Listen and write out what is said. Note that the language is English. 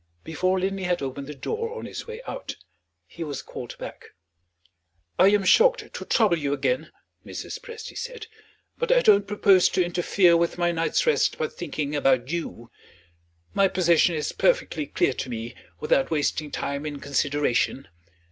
Before Linley had opened the door, on his way out, he was called back. "I am shocked to trouble you again," Mrs. Presty said, "but I don't propose to interfere with my night's rest by thinking about you. My position is perfectly clear to me, without wasting time in consideration.